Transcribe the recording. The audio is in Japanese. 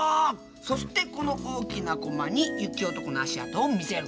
そしてこの大きなコマに雪男の足跡を見せる。